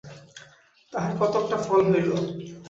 তাহার কতকটা ফল হইল।